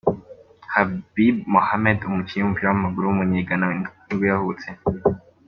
Habib Mohamed, umukinnyi w’umupira w’amaguru w’umunye-Ghana nibwo yavutse.